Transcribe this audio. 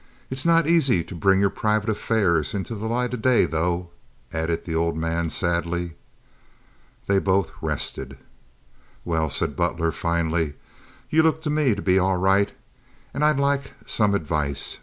It's not aisy to bring your private affairs into the light of day, though," added the old man, sadly. They both rested. "Well," said Butler, finally, "you look to me to be all right, and I'd like some advice.